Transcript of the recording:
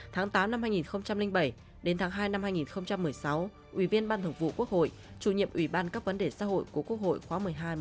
tháng tám năm hai nghìn bảy đến tháng hai năm hai nghìn một mươi sáu ủy viên ban thường vụ quốc hội chủ nhiệm ủy ban các vấn đề xã hội của quốc hội khóa một mươi hai một mươi